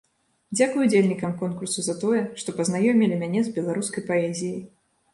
Дзякуй ўдзельнікам конкурсу за тое, што пазнаёмілі мяне з беларускай паэзіяй.